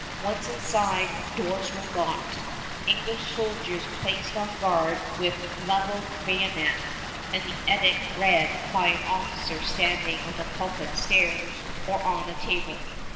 Once inside, doors were locked, English soldiers placed on guard with leveled bayonet, and the edict read by an officer standing on the pulpit stairs or on a table.